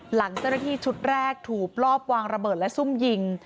หลังเจ้าหน้าที่ชุดแรกถูกลอบวางระเบิดและซุ่มยิง